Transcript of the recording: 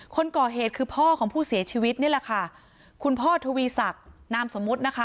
คนก่อเหตุคือพ่อของผู้เสียชีวิตนี่แหละค่ะคุณพ่อทวีศักดิ์นามสมมุตินะคะ